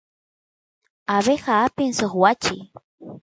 abeja apin suk wachi